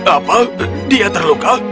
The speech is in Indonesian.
apa dia terluka